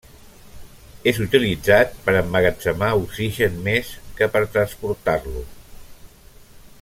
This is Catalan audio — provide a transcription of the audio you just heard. És utilitzat per emmagatzemar oxigen més que per transportar-lo.